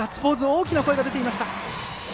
大きな声が出ました。